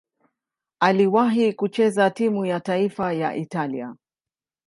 Aliwahi kucheza timu ya taifa ya Italia.